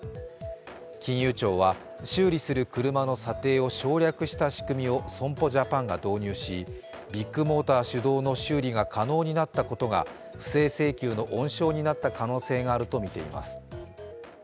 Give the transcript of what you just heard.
金融庁は修理する車の査定を省略した仕組みを損保ジャパンが導入し、ビッグモーター主導の修理が可能になったことが不正請求の温床になった可能性があるとみています。